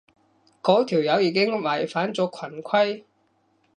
嗰條友已經違反咗群規